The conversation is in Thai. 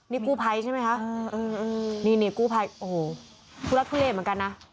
นี่กู้ไพใช่ไหมคะนี่กู้ไพโอ้โหคือละทุเรศเหมือนกันนะ